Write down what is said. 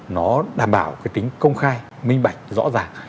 nó đảm bảo cái tính công khai minh bạch rõ ràng